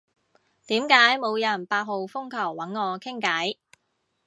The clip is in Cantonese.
點解冇人八號風球搵我傾偈？